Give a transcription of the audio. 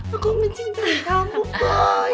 aku mencintai kamu boy